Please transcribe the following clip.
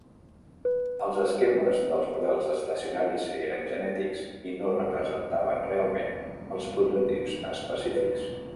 Els esquemes dels models estacionaris eren genètics i no representaven realment els prototips específics.